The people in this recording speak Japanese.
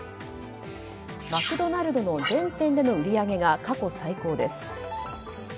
マクドナルドの全店での売り上げが過去最高です。